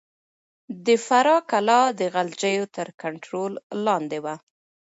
د فراه کلا د غلجيو تر کنټرول لاندې وه.